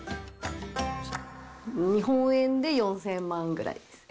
日本円で４０００万ぐらいですね。